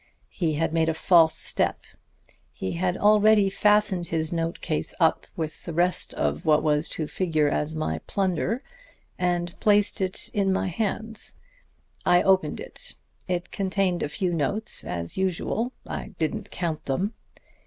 He had made a false step. He had already fastened his note case up with the rest of what was to figure as my plunder, and placed it in my hands. I opened it. It contained a few notes as usual I didn't count them.